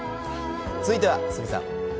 続いては鷲見さん。